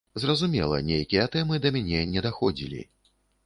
Зразумела, нейкія тэмы да мяне не даходзілі.